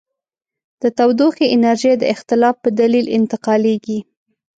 د تودوخې انرژي د اختلاف په دلیل انتقالیږي.